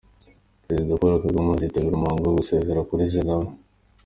Perezida Paul Kagame azitabira umuhango wo gusezera kuri Zenawi